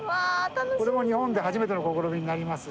これも日本で初めての試みになります。